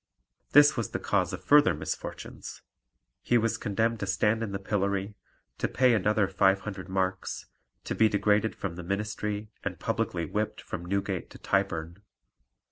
This was the cause of further misfortunes; he was condemned to stand in the pillory, to pay another five hundred marks, to be degraded from the ministry, and publicly whipped from Newgate to Tyburn.